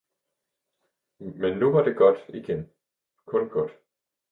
"Men nu var det godt igen — kun godt..."